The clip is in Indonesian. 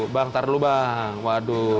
bang ntar dulu bang waduh